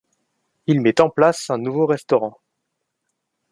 Il met en place un nouveau restaurant.